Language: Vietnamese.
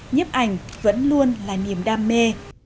nhấp ảnh vẫn luôn là niềm đam mê